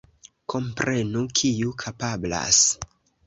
Komprenu kiu kapablas.